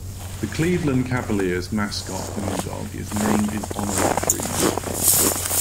The Cleveland Cavaliers' mascot Moondog is named in honor of Freed.